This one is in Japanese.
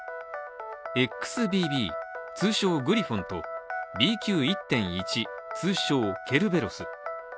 ＸＢＢ、通称グリフォンとＢＱ．１．１、通称、ケルベロス。